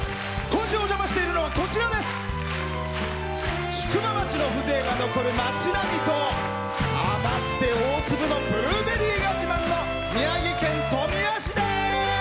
今週お邪魔しているのは宿場町の風情が残る町並みと甘くて大粒のブルーベリーが自慢の宮城県富谷市です。